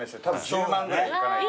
１０万ぐらいいかないと。